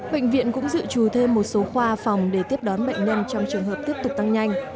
bệnh viện cũng dự trù thêm một số khoa phòng để tiếp đón bệnh nhân trong trường hợp tiếp tục tăng nhanh